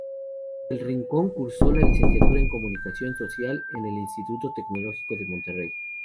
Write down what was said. Del Rincón cursó la Licenciatura en Comunicación Social en el Instituto Tecnológico de Monterrey.